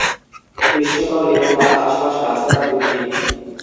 পৃষ্ঠতল এবং তার আশপাশ গাছপালা বৃদ্ধি।